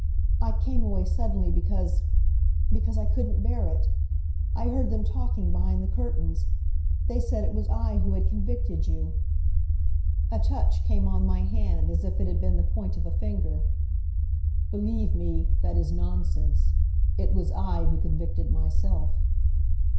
"I came away suddenly because because I couldn't bear it. I heard them talking behind the curtains. They said it was I who had convicted you." A touch came on my hand as if it had been the point of a finger, "Believe me, that is nonsense. It was I who convicted myself."